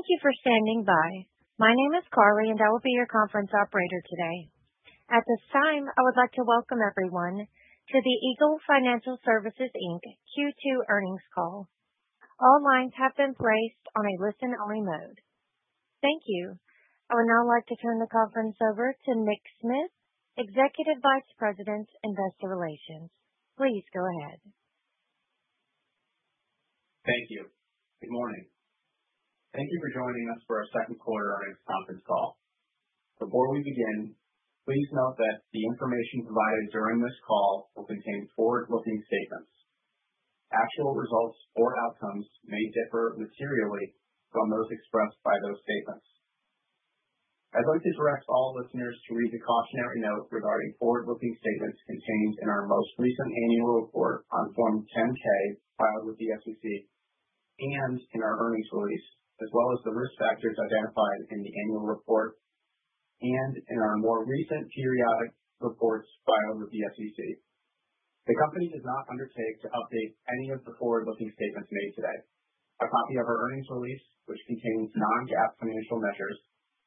Thank you for standing by. My name is Carly, and I will be your conference operator today. At this time, I would like to welcome everyone to the Eagle Financial Services, Inc. Q2 earnings call. All lines have been placed on a listen-only mode. Thank you. I would now like to turn the conference over to Nick Smith, Executive Vice President, Investor Relations. Please go ahead. Thank you. Good morning. Thank you for joining us for our second quarter earnings conference call. Before we begin, please note that the information provided during this call will contain forward-looking statements. Actual results or outcomes may differ materially from those expressed by those statements. I'd like to direct all listeners to read the cautionary note regarding forward-looking statements contained in our most recent annual report on Form 10-K filed with the SEC and in our earnings release, as well as the risk factors identified in the annual report and in our more recent periodic reports filed with the SEC. The company does not undertake to update any of the forward-looking statements made today. A copy of our earnings release, which contains non-GAAP financial measures,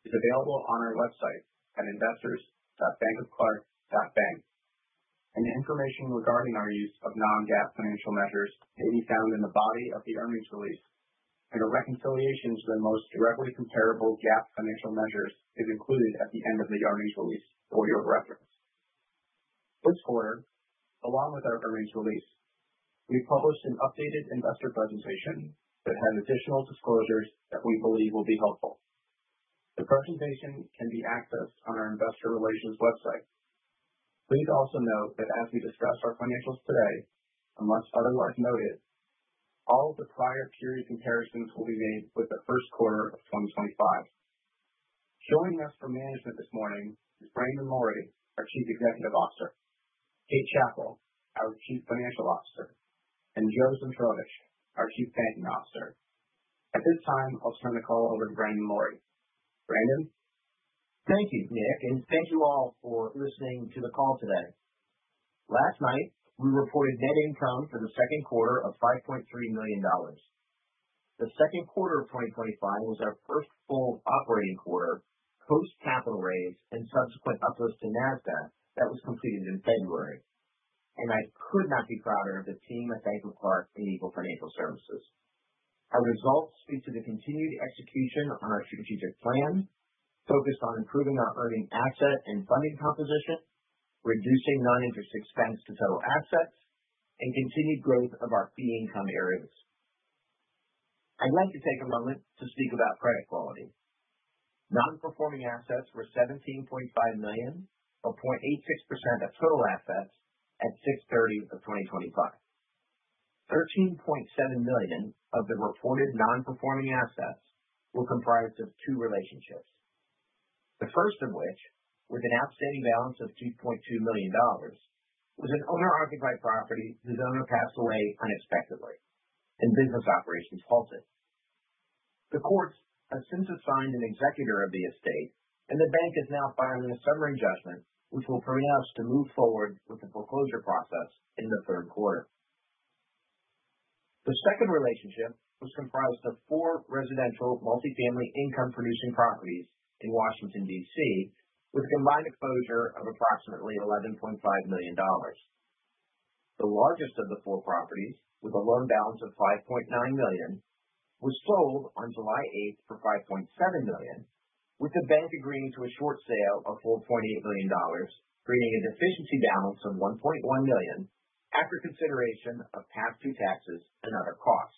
is available on our website at investors.bankofclarke.bank. The information regarding our use of non-GAAP financial measures may be found in the body of the earnings release, and a reconciliation to the most directly comparable GAAP financial measures is included at the end of the earnings release for your reference. This quarter, along with our earnings release, we published an updated investor presentation that has additional disclosures that we believe will be helpful. The presentation can be accessed on our investor relations website. Please also note that as we discuss our financials today, unless otherwise noted, all of the prior period comparisons will be made with the first quarter of 2025. Joining us from management this morning is Brandon Lorey, our Chief Executive Officer, Kate Chappell, our Chief Financial Officer, and Joe Zmitrovich, our Chief Banking Officer. At this time, I'll turn the call over to Brandon Lorey. Brandon? Thank you, Nick, and thank you all for listening to the call today. Last night, we reported net income for the second quarter of $5.3 million. The second quarter of 2025 was our first full operating quarter post-capital raise and subsequent uplist to Nasdaq that was completed in February. And I could not be prouder of the team at Bank of Clarke and Eagle Financial Services. Our results speak to the continued execution on our strategic plan focused on improving our earning asset and funding composition, reducing non-interest expense to total assets, and continued growth of our fee income areas. I'd like to take a moment to speak about credit quality. Non-performing assets were $17.5 million, or 0.86% of total assets, at June 30, 2025. 13.7 million of the reported non-performing assets were comprised of two relationships, the first of which, with an outstanding balance of $2.2 million, was an owner-occupied property whose owner passed away unexpectedly, and business operations halted. The courts have since assigned an executor of the estate, and the bank is now filing a summary judgment, which will permit us to move forward with the foreclosure process in the third quarter. The second relationship was comprised of four residential multifamily income-producing properties in Washington, D.C., with a combined exposure of approximately $11.5 million. The largest of the four properties, with a loan balance of $5.9 million, was sold on July 8th for $5.7 million, with the bank agreeing to a short sale of $4.8 million, creating a deficiency balance of $1.1 million after consideration of past due taxes and other costs.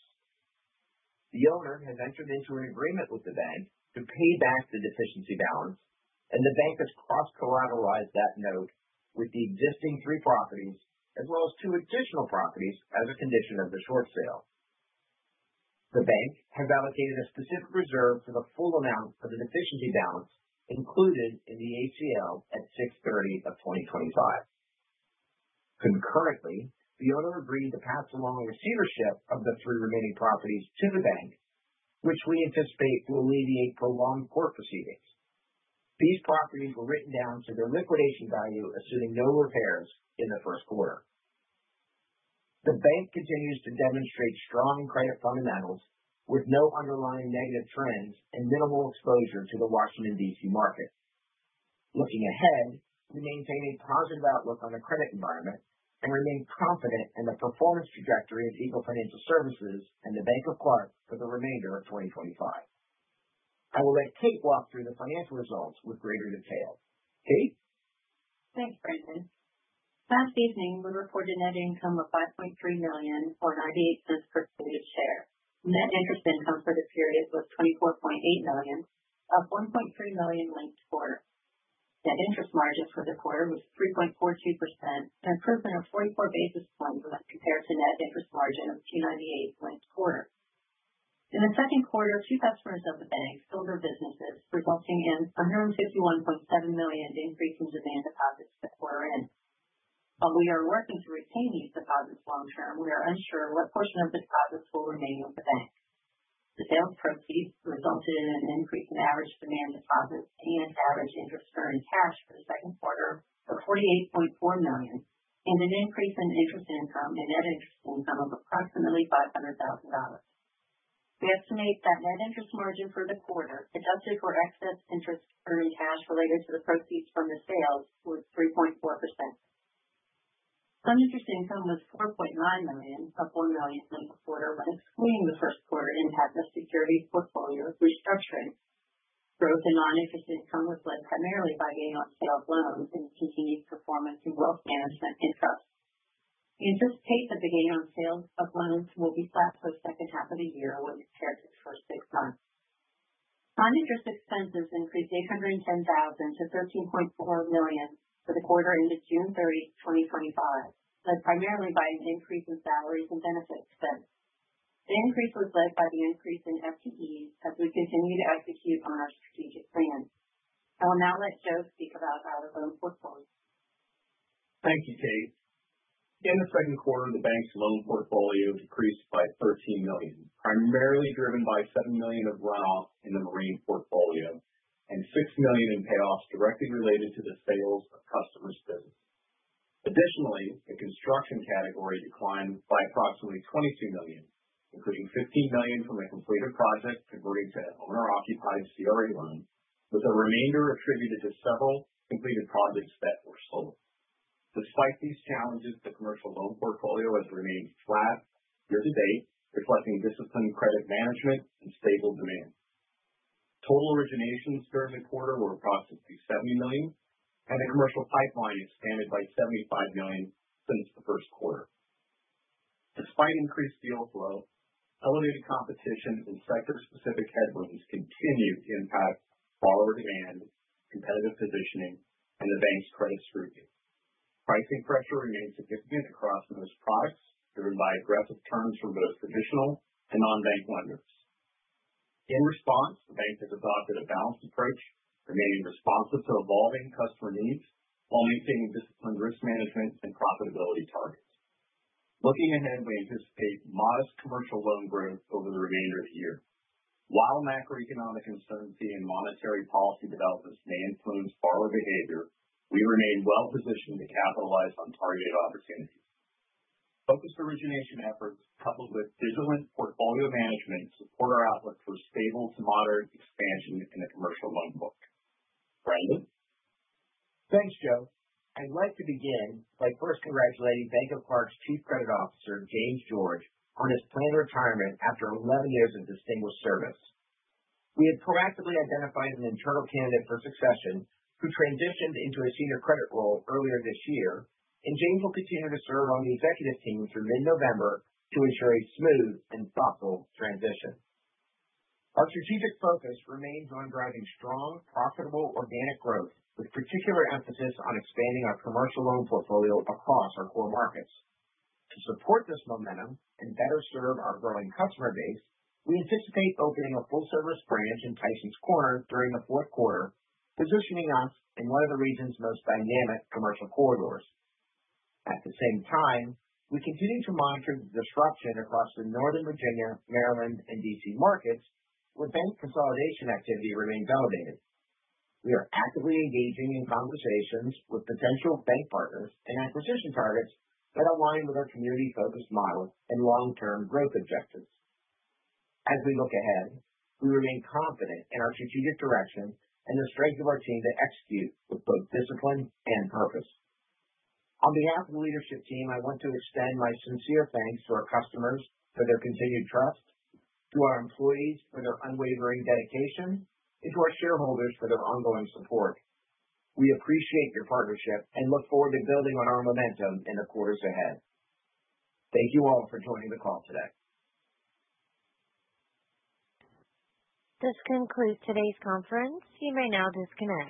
The owner has entered into an agreement with the bank to pay back the deficiency balance, and the bank has cross-collateralized that note with the existing three properties, as well as two additional properties as a condition of the short sale. The bank has allocated a specific reserve for the full amount of the deficiency balance included in the ACL at 6/30 of 2025. Concurrently, the owner agreed to pass along receivership of the three remaining properties to the bank, which we anticipate will alleviate prolonged court proceedings. These properties were written down to their liquidation value, assuming no repairs in the first quarter. The bank continues to demonstrate strong credit fundamentals with no underlying negative trends and minimal exposure to the Washington, D.C. market. Looking ahead, we maintain a positive outlook on the credit environment and remain confident in the performance trajectory of Eagle Financial Services and the Bank of Clarke for the remainder of 2025. I will let Kate walk through the financial results with greater detail. Kate? Thanks, Brandon. Last evening, we reported net income of $5.3 million or $0.98 per diluted share. Net interest income for the period was $24.8 million, up $1.3 million linked quarter. Net interest margin for the quarter was 3.42%, an improvement of 44 basis points when compared to net interest margin of 2.98% linked quarter. In the second quarter, two customers of the bank sold their businesses, resulting in a $151.7 million increase in demand deposits at the quarter end. While we are working to retain these deposits long-term, we are unsure what portion of the deposits will remain with the bank. The sales proceeds resulted in an increase in average demand deposits and average interest-earning cash for the second quarter of $48.4 million, and an increase in interest income and net interest income of approximately $500,000. We estimate that net interest margin for the quarter, adjusted for excess interest earned on cash related to the proceeds from the sales, was 3.4%. Securities interest income was $4.9 million, up $1 million linked quarter. Excluding the first quarter impact of securities portfolio restructuring, growth in non-interest income was led primarily by gain on sales of loans and continued performance in wealth management. We anticipate that the gain on sales of loans will be flat for the second half of the year when compared to the first six months. Non-interest expenses increased $810,000 to $13.4 million for the quarter ended June 30, 2025, led primarily by an increase in salaries and benefits spend. The increase was led by the increase in FTEs as we continue to execute on our strategic plan. I will now let Joe speak about our loan portfolio. Thank you, Kate. In the second quarter, the bank's loan portfolio decreased by $13 million, primarily driven by $7 million of runoff in the marine portfolio and $6 million in payoffs directly related to the sales of customers' businesses. Additionally, the construction category declined by approximately $22 million, including $15 million from a completed project converting to an owner-occupied CRA loan, with the remainder attributed to several completed projects that were sold. Despite these challenges, the commercial loan portfolio has remained flat year to date, reflecting disciplined credit management and stable demand. Total originations during the quarter were approximately $70 million, and the commercial pipeline expanded by $75 million since the first quarter. Despite increased deal flow, elevated competition and sector-specific headwinds continue to impact borrower demand, competitive positioning, and the bank's credit scrutiny. Pricing pressure remains significant across most products, driven by aggressive terms from both traditional and non-bank lenders. In response, the bank has adopted a balanced approach, remaining responsive to evolving customer needs while maintaining disciplined risk management and profitability targets. Looking ahead, we anticipate modest commercial loan growth over the remainder of the year. While macroeconomic uncertainty and monetary policy developments may influence borrower behavior, we remain well-positioned to capitalize on targeted opportunities. Focused origination efforts, coupled with vigilant portfolio management, support our outlook for stable to moderate expansion in the commercial loan book. Brandon? Thanks, Joe. I'd like to begin by first congratulating Bank of Clarke's Chief Credit Officer, James George, on his planned retirement after 11 years of distinguished service. We have proactively identified an internal candidate for succession who transitioned into a senior credit role earlier this year, and James will continue to serve on the executive team through mid-November to ensure a smooth and thoughtful transition. Our strategic focus remains on driving strong, profitable organic growth, with particular emphasis on expanding our commercial loan portfolio across our core markets. To support this momentum and better serve our growing customer base, we anticipate opening a full-service branch in Tysons Corner during the fourth quarter, positioning us in one of the region's most dynamic commercial corridors. At the same time, we continue to monitor the disruption across the Northern Virginia, Maryland, and D.C. markets, where bank consolidation activity remains elevated. We are actively engaging in conversations with potential bank partners and acquisition targets that align with our community-focused model and long-term growth objectives. As we look ahead, we remain confident in our strategic direction and the strength of our team to execute with both discipline and purpose. On behalf of the leadership team, I want to extend my sincere thanks to our customers for their continued trust, to our employees for their unwavering dedication, and to our shareholders for their ongoing support. We appreciate your partnership and look forward to building on our momentum in the quarters ahead. Thank you all for joining the call today. This concludes today's conference. You may now disconnect.